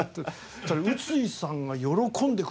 そしたら宇津井さんが喜んでくれちゃって。